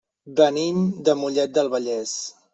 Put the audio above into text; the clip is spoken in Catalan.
Venim de Mollet del Vallès.